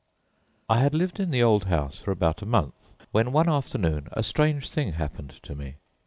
I had lived in the old house for about a month, when one afternoon a strange thing happened to me.